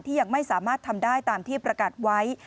ยังไม่สามารถทำได้ตามที่ประกาศไว้